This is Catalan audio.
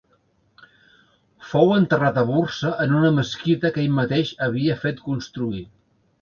Fou enterrat a Bursa en una mesquita que ell mateix havia fet construir.